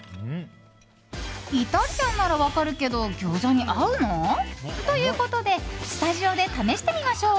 イタリアンなら分かるけど餃子に合うの？ということでスタジオで試してみましょう！